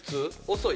遅い？